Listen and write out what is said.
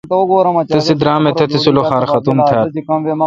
تیس درام تتی سلوخار ختُم تھال۔